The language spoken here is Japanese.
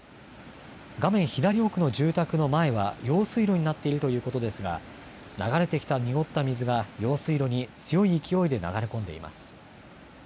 画面左奥の住宅の前は用水路になっているということですが、流れてきた濁った水が用水路に強い勢いで流れ込んでいます。